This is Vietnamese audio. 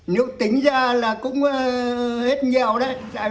nếu tính ra là cũng hết nghèo đấy